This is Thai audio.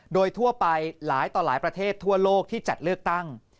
โดยทั่วไปหลายต่อหลายประเทศทั่วโลกที่จัดเลือกตั้ง